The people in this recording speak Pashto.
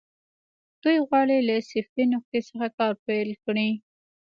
دوی غواړي له صفري نقطې څخه کار پيل کړي.